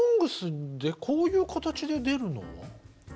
「ＳＯＮＧＳ」でこういう形で出るのは。